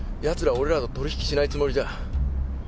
やつら俺らと取引しないつもりじゃ？